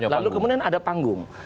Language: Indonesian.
lalu kemudian ada panggung